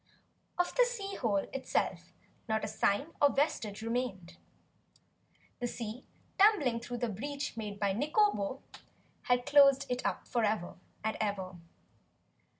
Of the sea hole itself not a sign nor vestige remained. The sea, tumbling through the breach made by Nikobo, had closed it up forever and ever.